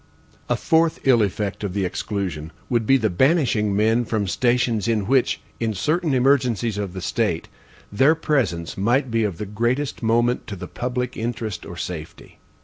A fourth ill effect of the exclusion would be the banishing men from stations in which, in certain emergencies of the state, their presence might be of the greatest moment to the public interest or safety.